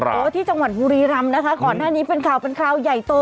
ที่จังหวัดบุรีรำนะคะก่อนหน้านี้เป็นข่าวเป็นคราวใหญ่โต